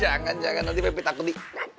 jangan jangan nanti pepi takut di